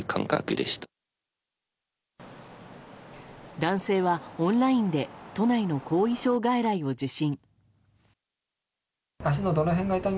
男性はオンラインで都内の後遺症外来を受診。